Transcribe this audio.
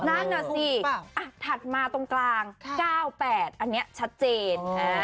นั่นน่ะสิถัดมาตรงกลาง๙๘อันนี้ชัดเจน